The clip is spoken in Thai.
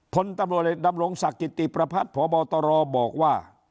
พลตำลวงศักดิ์กิตติประพัทธิ์พบตรบอกว่า